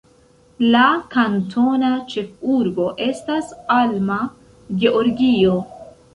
La kantona ĉefurbo estas Alma, Georgio.